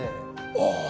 ああ。